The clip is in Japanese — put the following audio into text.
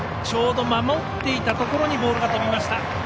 ちょうど守っていたところにボールが飛びました。